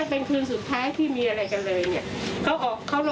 แม่ชีค่ะ